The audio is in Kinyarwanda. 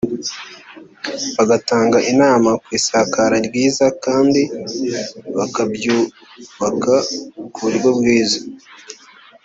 bagatanga inama ku isakaro ryiza kandi bakabyubaka ku buryo bwiza